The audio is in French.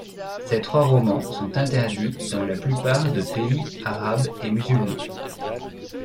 Ces trois romans sont interdits dans la plupart de pays arabes et musulmans.